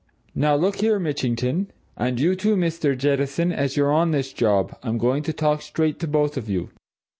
"Now look here, Mitchington," he said, "and you, too, Mr. Jettison, as you're on this job I'm going to talk straight to both of you.